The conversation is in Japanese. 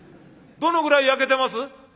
どのぐらい焼けてます？」。